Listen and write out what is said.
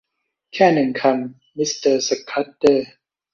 แค่หนึ่งคำ มิสเตอร์สคัดเดอร์